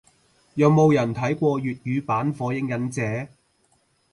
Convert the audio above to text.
有冇人睇過粵語版火影忍者？